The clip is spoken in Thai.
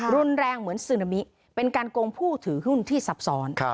รุนแรงเหมือนซึนามิเป็นการโกงผู้ถือหุ้นที่ซับซ้อน